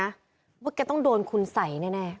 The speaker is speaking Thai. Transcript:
ว่าทำได้ต้องโดนคุณสัยแน่